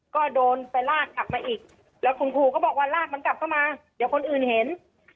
ก็โดนไปลากกลับมาอีกแล้วคุณครูก็บอกว่าลากมันกลับเข้ามาเดี๋ยวคนอื่นเห็น